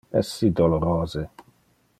Es si dolorose.